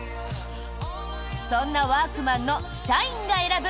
そんなワークマンの社員が選ぶ